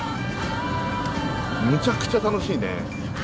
むちゃくちゃ楽しいね。